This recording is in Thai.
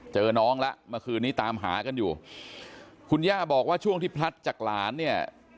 เจอน้องแล้วเมื่อคืนนี้ตามหากันอยู่คุณย่าบอกว่าช่วงที่พลัดจากหลานเนี่ย